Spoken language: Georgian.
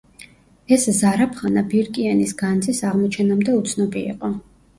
ეს ზარაფხანა ბირკიანის განძის აღმოჩენამდე უცნობი იყო.